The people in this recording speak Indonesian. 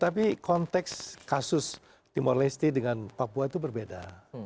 tapi konteks kasus timur leste dengan papua itu berbeda